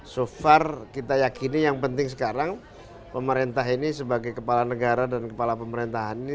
so far kita yakini yang penting sekarang pemerintah ini sebagai kepala negara dan kepala pemerintahan ini